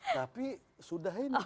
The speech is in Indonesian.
tapi sudah ini